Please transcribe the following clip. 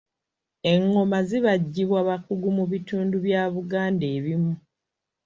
Engoma zibaggibwa bakugu mu bitundu bya buganda ebimu.